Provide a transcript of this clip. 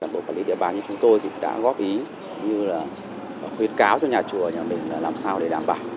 bộ phản lý địa bàn như chúng tôi đã góp ý như là khuyến cáo cho nhà chùa nhà mình làm sao để đảm bảo